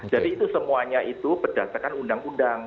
jadi itu semuanya itu berdasarkan undang undang